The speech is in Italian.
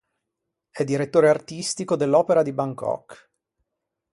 È direttore artistico dell'Opera di Bangkok.